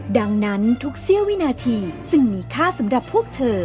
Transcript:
ดังนั้นทุกเสี้ยววินาทีจึงมีค่าสำหรับพวกเธอ